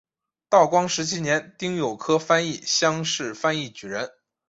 道光十七年丁酉科翻译乡试翻译举人。